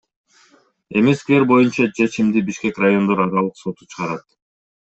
Эми сквер боюнча чечимди Бишкек райондор аралык соту чыгарат.